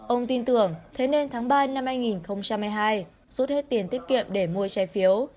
ông tin tưởng thế nên tháng ba năm hai nghìn hai mươi hai rút hết tiền tiết kiệm để mua trái phiếu